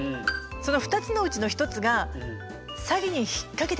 その２つのうちの１つが「詐欺に引っ掛けてたんだ。